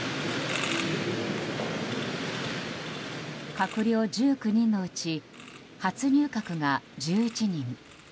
閣僚１９人のうち初入閣が１１人。